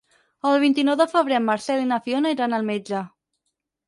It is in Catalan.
El vint-i-nou de febrer en Marcel i na Fiona iran al metge.